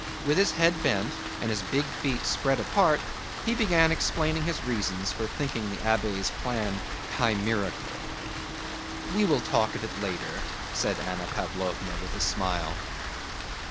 With his head bent, and his big feet spread apart, he began explaining his reasons for thinking the abbé's plan chimerical. "We will talk of it later," said Anna Pávlovna with a smile.